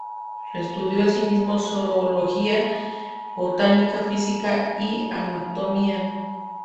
Estudió asimismo zoología, botánica, física y anatomía.